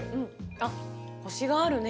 あっコシがあるね